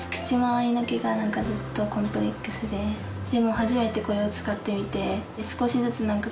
でも初めてこれを使ってみて。